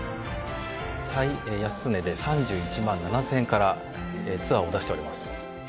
再安値で３１万７０００円からツアーを出しております。